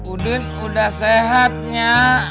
udin udah sehatnya